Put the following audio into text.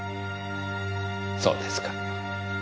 そうですか。